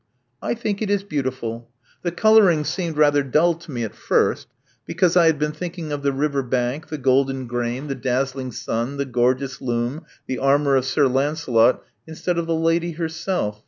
'*I think it is beautiful. The coloring seemed rather dull to me at first, because I had been thinking of the river bank, the golden grain, the dazzling sun, the gorgeous loom, the armor of Sir Lancelot, instead of the Lady herself.